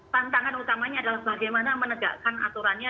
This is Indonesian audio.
tantangan utamanya adalah bagaimana menegakkan aturannya